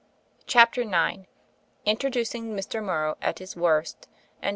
CHAPTER IX INTRODUCING MR. MORROW AT HIS WORST AND DR.